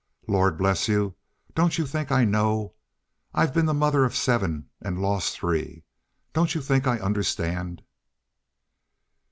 Lord bless you, don't you think I know? I've been the mother of seven and lost three. Don't you think I understand?"